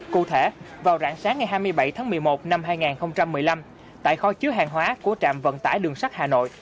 cụ thể vào rạng sáng ngày hai mươi bảy tháng một mươi một năm hai nghìn một mươi năm tại kho chứa hàng hóa của trạm vận tải đường sắt hà nội